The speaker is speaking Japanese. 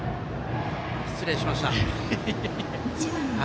失礼しました。